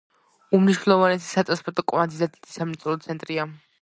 უმნიშვნელოვანესი სატრანსპორტო კვანძი და დიდი სამრეწველო ცენტრია.